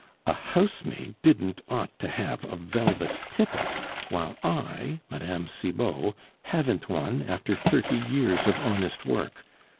a housemaid didn't ought to have a velvet tippet, while I, Mme. Cibot, haven't one, after thirty years of honest work.